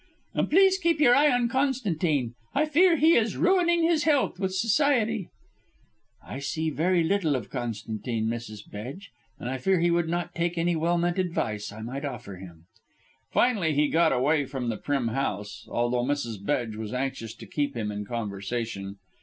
"And please keep your eye on Constantine. I fear he is ruining his health with society." "I see very little of Constantine, Mrs. Bedge, and I fear he would not take any well meant advice I might offer him." Finally he got away from the prim house, although Mrs. Bedge was anxious to keep him in conversation.